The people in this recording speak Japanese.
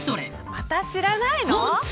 また知らないの。